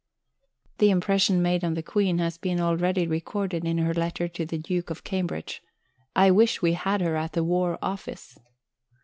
The impression made on the Queen has been already recorded in her letter to the Duke of Cambridge: "I wish we had her at the War Office."